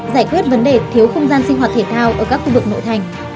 giải quyết vấn đề thiếu không gian sinh hoạt thể thao ở các khu vực nội thành